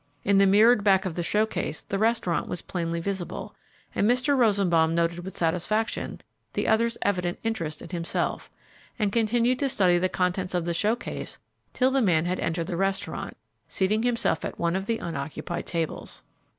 In the mirrored back of the show case the restaurant was plainly visible, and Mr. Rosenbaum noted with satisfaction the other's evident interest in himself, and continued to study the contents of the show case till the man had entered the restaurant, seating himself at one of the unoccupied tables.